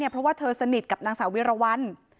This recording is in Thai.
เพราะว่าเธอสนิทกับนางสาววิรวรรณ